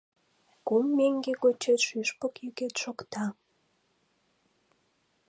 Кум меҥге гочет шӱшпык йӱкет шокта